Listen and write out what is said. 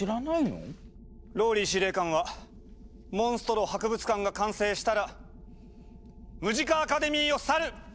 ＲＯＬＬＹ司令官はモンストロ博物館が完成したらムジカ・アカデミーを去る！